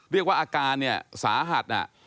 เรียกว่าอาการเนี่ยสาหัส